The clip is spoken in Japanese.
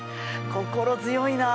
心強いな。